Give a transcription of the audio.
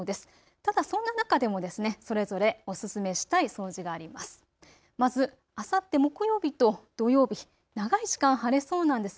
ただそんな中でもそれぞれお勧めしたい掃除があります。